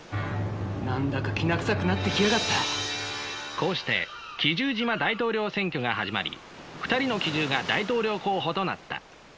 こうして奇獣島大統領選挙が始まり２人の奇獣が大統領候補となった。